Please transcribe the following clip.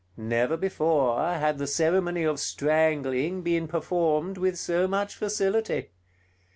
Never before had the ceremony of strangling been performed with so much facility.